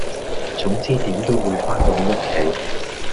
總之點都會番到屋企